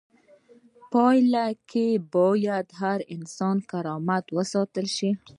په پایله کې باید د هر انسان کرامت وساتل شي.